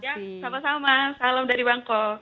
sama sama salam dari bangkok